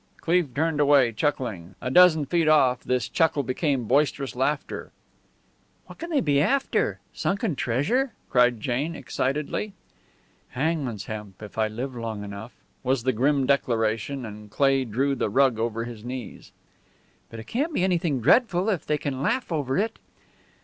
Cleve turned away, chuckling; a dozen feet off this chuckle became boisterous laughter. "What can they be after? Sunken treasure?" cried Jane, excitedly. "Hangman's hemp if I live long enough," was the grim declaration, and Cleigh drew the rug over his knees. "But it can't be anything dreadful if they can laugh over it!"